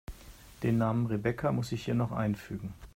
Den Namen Rebecca muss ich hier noch einfügen.